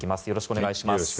よろしくお願いします。